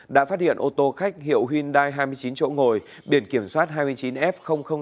đã phát hiện ô tô khách hiệu hyundai hai mươi chín chỗ ngồi biển kiểm soát hai mươi chín f sáu trăm linh tám